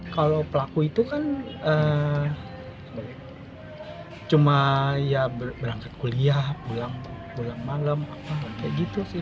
kalau pelaku itu kan cuma ya berangkat kuliah pulang malam kayak gitu sih